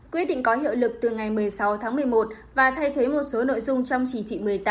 quyết định có hiệu lực từ ngày một mươi sáu tháng một mươi một và thay thế một số nội dung trong chỉ thị một mươi tám